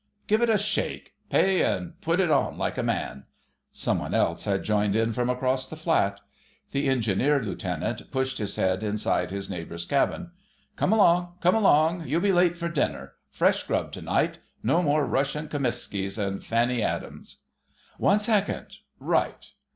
"Give it a shake, Pay, and put it on like a man!" Some one else had joined in from across the flat. The Engineer Lieutenant pushed his head inside his neighbour's cabin: "Come along—come along! You'll be late for dinner. Fresh grub to night: no more 'Russian Kromeskis' and 'Fanny Adams'!" "One second.... Right!"